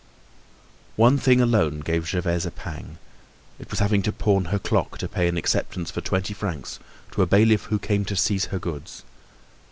One thing alone gave Gervaise a pang—it was having to pawn her clock to pay an acceptance for twenty francs to a bailiff who came to seize her goods.